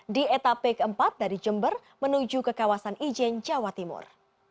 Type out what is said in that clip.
di etape keempat dari jember menuju ke kawasan ijen jawa timur